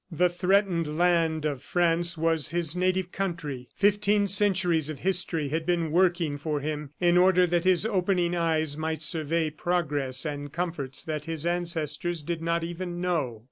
The threatened land of France was his native country. Fifteen centuries of history had been working for him, in order that his opening eyes might survey progress and comforts that his ancestors did not even know.